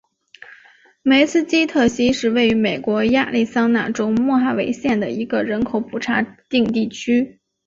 梅斯基特溪是位于美国亚利桑那州莫哈维县的一个人口普查指定地区。